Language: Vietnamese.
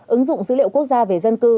ứng dụng dữ liệu quốc gia về dân cư